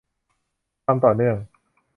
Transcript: ความต่อเนื่อง